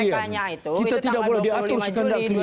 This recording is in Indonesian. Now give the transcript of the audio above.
sebagai advokat kita tidak boleh dikendalikan oleh klien